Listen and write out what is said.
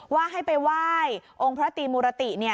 ว่าให้ไปไหว้องค์พระตรีมุรติ